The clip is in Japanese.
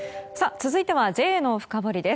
続いてはＪのフカボリです。